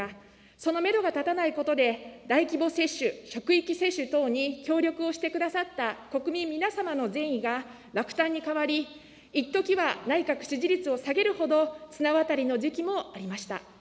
そのメドが立たないことで、大規模接種・職域接種等に協力をしてくださった国民皆様の善意が落胆に変わり、一時は内閣支持率を下げるほど、綱渡りの時期もありました。